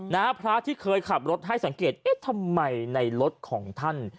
พระที่เคยขับรถให้สังเกตเอ๊ะทำไมในรถของท่าน